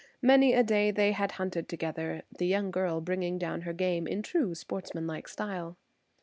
Many a day they had hunted together, the young girl bringing down her game in true sportsmanlike style.